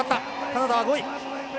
カナダは５位。